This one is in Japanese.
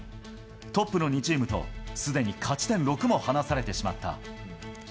トップの２チームと、すでに勝ち点６も離されてしまった。